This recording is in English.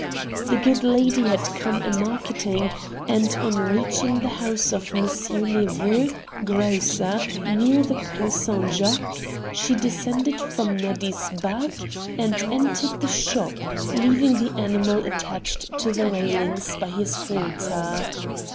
The good lady had come a marketing; and on reaching the house of M. Nepveux, grocer, near the Porte S. Jacques, she descended from Neddy's back, and entered the shop, leaving the animal attached to the railings by his halter.